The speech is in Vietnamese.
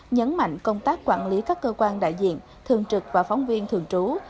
nhấn mạnh công tác quản lý các cơ quan đại diện thường trực và phóng viên thường trú